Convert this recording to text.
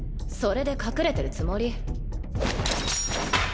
それで隠れてるつもり？